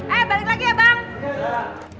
eh balik lagi ya bang